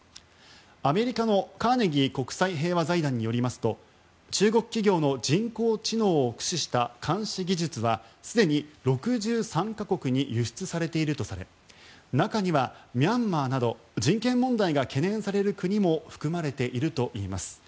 アメリカのカーネギー国際平和財団によりますと中国企業の人工知能を駆使した監視技術はすでに６３か国に輸出されているとされ中にはミャンマーなど人権問題が懸念される国も含まれているといいます。